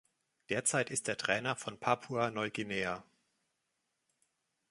Derzeit ist er Trainer von Papua-Neuguinea.